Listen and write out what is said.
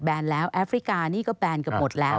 แนนแล้วแอฟริกานี่ก็แบนเกือบหมดแล้ว